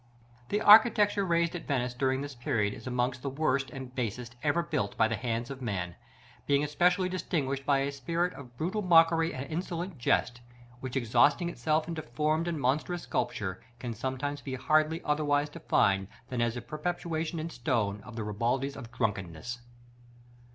§ II. The architecture raised at Venice during this period is amongst the worst and basest ever built by the hands of men, being especially distinguished by a spirit of brutal mockery and insolent jest, which, exhausting itself in deformed and monstrous sculpture, can sometimes be hardly otherwise defined than as the perpetuation in stone of the ribaldries of drunkenness.